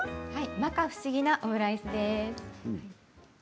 まか不思議なオムライスです。